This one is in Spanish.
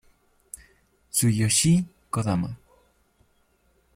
Tsuyoshi Kodama